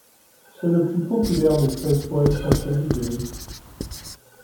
C'est le plus populaire des treize poèmes symphoniques de Liszt.